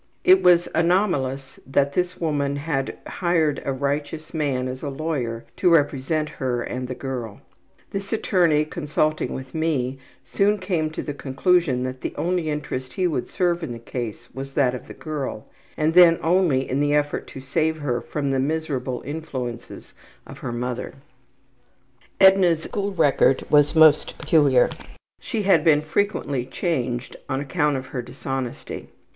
'' It was anomalous that this woman had hired a righteous man as a lawyer to represent her and the girl. This attorney, consulting with me, soon came to the conclusion that the only interest he would serve in the case was that of the girl, and then only in the effort to save her from the miserable influences of her mother. Edna's school record was most peculiar. She had been frequently changed on account of her dishonesty.